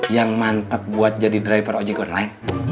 yang mantep buat jadi driver ojek online